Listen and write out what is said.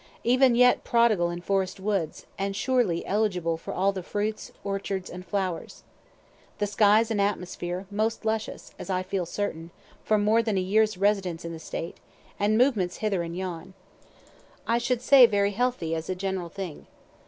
Even yet prodigal in forest woods, and surely eligible for all the fruits, orchards, and flowers. The skies and atmosphere most luscious, as I feel certain, from more than a year's residence in the State, and movements hither and yon. I should say very healthy, as a general thing.